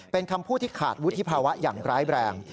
เป็นคำพูดที่ขาดวุฒิภาวะอย่างร้ายแรง